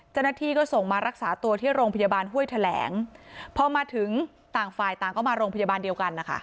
เจ้าหน้าที่ก็ส่งมารักษาตัวที่โรงพยาบาลห้วยแถลงพอมาถึงต่างฝ่ายต่างก็มาโรงพยาบาลเดียวกันนะคะ